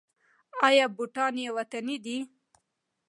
آیا بوټان یې وطني دي؟